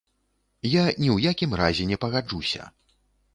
Я ні ў якім разе не пагаджуся.